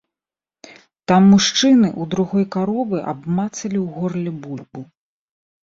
Там мужчыны ў другой каровы абмацалі ў горле бульбу.